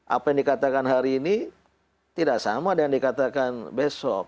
apa yang dikatakan hari ini tidak sama dengan dikatakan besok